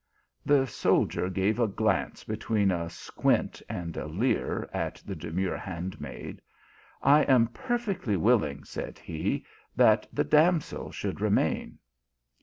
The soldier gave a glance between a squint and a leer at the dem ure handmaid. * I am perfectly will ing," said he, that the damsel should remain."